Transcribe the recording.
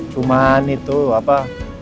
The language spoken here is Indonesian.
cuman itu apa